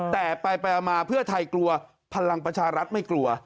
แต่ไปมาเพื่อไทยกลัวพลังประชารัฐไม่กลัว